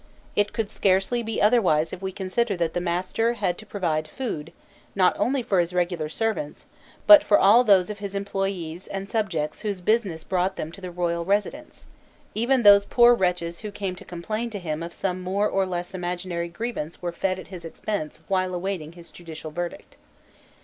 It could scarcely be otherwise if we consider that the master had to provide food, not only for his regular servants,* but for all those of his employés and subjects whose business brought them to the royal residence: even those poor wretches who came to complain to him of some more or less imaginary grievance were fed at his expense while awaiting his judicial verdict.